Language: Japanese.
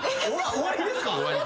終わりです。